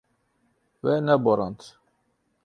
We neborand.